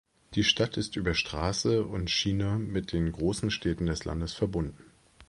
Die Stadt ist über Straße und Schiene mit den großen Städten des Landes verbunden.